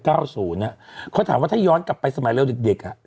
ความอยู่สามารถกลับไปหลายเด็ก